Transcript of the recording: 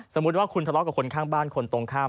สมมุติว่าคุณทะเลาะกับคนข้างบ้านคนตรงข้าม